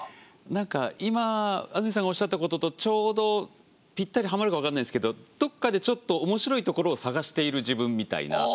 何か今安住さんがおっしゃったこととちょうどぴったりはまるか分かんないですけどどこかでちょっと面白いところを探している自分みたいな。